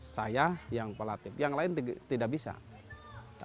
saya yang pelatih yang lain tidak bisa